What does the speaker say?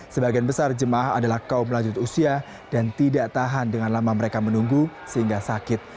sebagian besar jemaah adalah kaum lanjut usia dan tidak tahan dengan lama mereka menunggu sehingga sakit